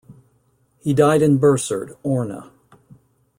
He died in Bursard, Orne.